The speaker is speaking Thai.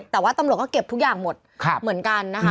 แต่ว่าตำรวจก็เก็บทุกอย่างหมดเหมือนกันนะคะ